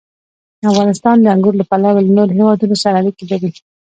افغانستان د انګور له پلوه له نورو هېوادونو سره اړیکې لري.